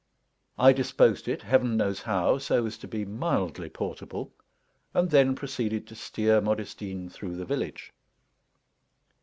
I disposed it, Heaven knows how, so as to be mildly portable, and then proceeded to steer Modestine through the village.